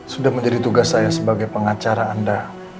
sudah menjadi tugas saya sebagai pengacara anda